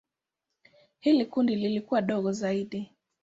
Hili kundi lilikuwa dogo zaidi.